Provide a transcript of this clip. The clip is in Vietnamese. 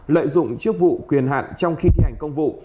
lợi dụng chức vụ quyền hạn trong khi thi hành công vụ